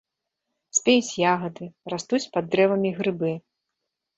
Спеюць ягады, растуць пад дрэвамі грыбы.